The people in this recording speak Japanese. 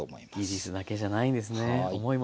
技術だけじゃないんですね。